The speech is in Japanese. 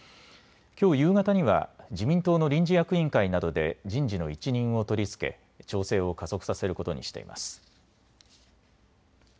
きょう夕方には自民党の臨時役員会などで人事の一任を取りつけ調整を加速させることにしています。